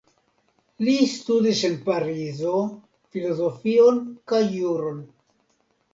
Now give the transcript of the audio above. Li studis en Parizo filozofion kaj juron.